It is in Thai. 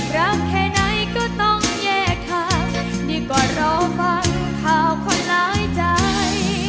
รักแค่ไหนก็ต้องแยกทางนี่ก็รอฟังข่าวคนหลายใจ